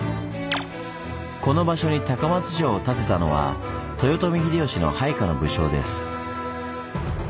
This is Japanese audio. この場所に高松城を建てたのは豊臣秀吉の配下の武将です。